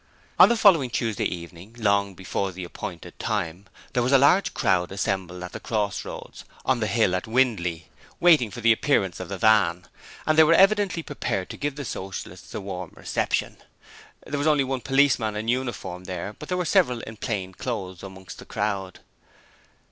On the following Tuesday evening, long before the appointed time, there was a large crowd assembled at the cross roads or the hill at Windley, waiting for the appearance of the van, and they were evidently prepared to give the Socialists a warm reception. There was only one policeman in uniform there but there were several in plain clothes amongst the crowd.